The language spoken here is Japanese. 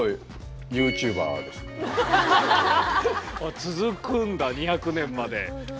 あ続くんだ２００年まで。